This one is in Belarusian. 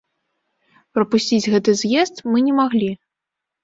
Прапусціць гэты з'езд мы не маглі.